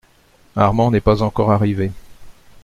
Armand n’est pas encore arrivé.